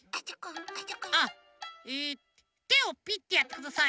えっとてをピッてやってください。